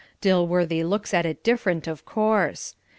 Dilworthy looks at it different, of course.